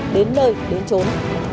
đến nơi đến trốn